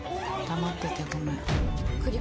黙っててごめん。